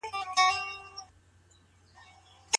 که نوي کلمه زده سي نو دا هم یوه لاسته راوړنه ده.